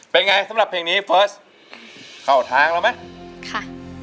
เป็นไงสำหรับเพลงนี้เฟิร์สเข้าทางแล้วไหมค่ะ